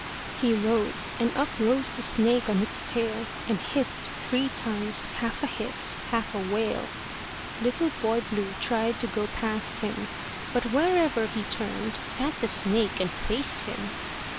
He rose; and up rose the snake on its tail, And hissed three times, half a hiss, half a wail. Little Boy Blue he tried to go past him; But wherever he turned, sat the snake and faced him.